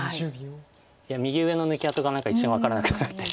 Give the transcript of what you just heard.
いや右上の抜き跡が何か一瞬分からなくなって。